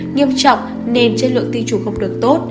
nghiêm trọng nên chất lượng tình trụng không được tốt